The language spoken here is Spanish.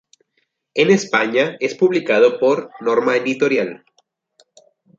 En España es publicado por Norma Editorial.